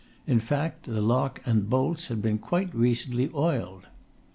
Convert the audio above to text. In fact, the lock and bolts had quite recently been oiled.